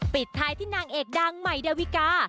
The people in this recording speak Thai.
ปิดท้ายที่นางเอกดังใหม่ดาวิกา